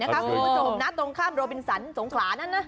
ประสนัทตรงข้ามโรบินสันสงขรา